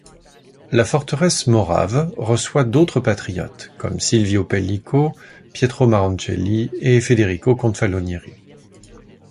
La forteresse morave reçoit d'autres patriotes comme Silvio Pellico, Pietro Maroncelli et Federico Confalonieri.